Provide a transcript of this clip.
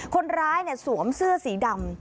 คนร้ายสวมเสื้อสีดำ